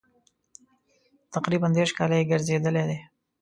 تقریبا دېرش کاله یې ګرځېدلي دي.